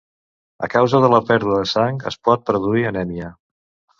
A causa de la pèrdua de sang, es pot produir anèmia.